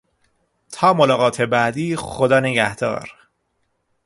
تا ملاقات بعدی خدانگهدار.